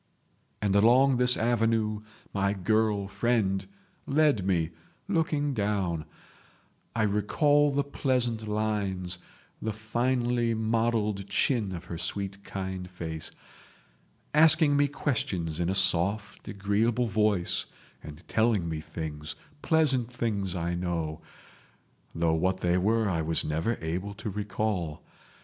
. "And along this avenue my girl friend led me, looking down—I recall the pleasant lines, the finely modelled chin of her sweet kind face—asking me questions in a soft, agreeable voice, and telling me things, pleasant things I know, though what they were I was never able to recall